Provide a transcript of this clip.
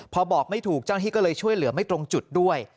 พอบอกไม่ถูกเจ้าหน้าที่ก็เลยช่วยเหลือไม่ตรงจุดด้วย